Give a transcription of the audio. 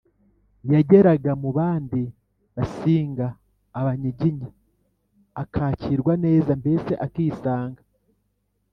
yageraga mu bandi basinga, abanyiginya akakirwa neza, mbese akisanga.